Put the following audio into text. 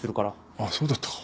あっそうだったか。